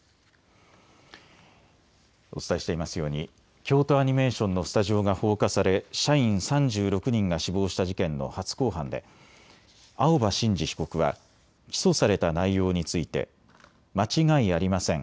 お伝えしていますように京都アニメーションのスタジオが放火され社員３６人が死亡した事件の初公判で青葉真司被告は起訴された内容について間違いありません。